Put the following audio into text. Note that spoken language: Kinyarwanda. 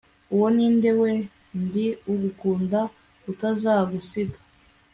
uwo ndiwe we ndi ugukunda utazagusiga